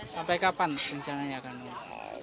sampai kapan rencananya akan lihat